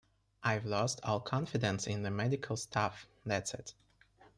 I've lost all confidence in the medical staff, that's it.